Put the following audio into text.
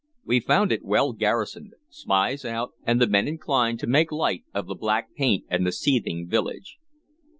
We found it well garrisoned, spies out, and the men inclined to make light of the black paint and the seething village.